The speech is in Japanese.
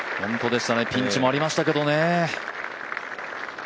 ピンチもありましたけどね。